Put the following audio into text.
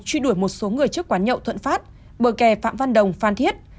truy đuổi một số người trước quán nhậu thuận phát bờ kè phạm văn đồng phan thiết